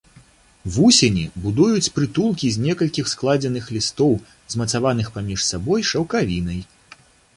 Вусені будуюць прытулкі з некалькіх складзеных лістоў, змацаваных паміж сабой шаўкавінай.